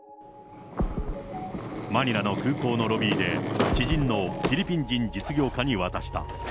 マニラの空港のロビーで、知人のフィリピン人実業家に渡した。